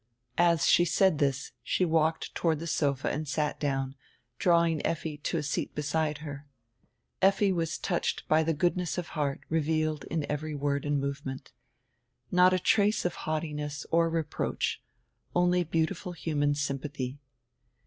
As she said this she walked toward die sofa and sat down, drawing Effi to a seat beside her. Effi was touched by the goodness of heart revealed in every word and movement. Not a trace of haughtiness or reproach, only beautiful human sympathy.